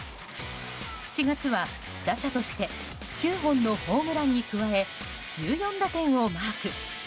７月は打者として９本のホームランに加え１４打点をマーク。